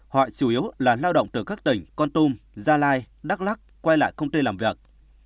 họ chủ yếu là lao động từ các tỉnh con tum gia lai đắk lắc quay lại công ty làm việc